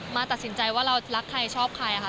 ตัดสินใจว่าเรารักใครชอบใครค่ะ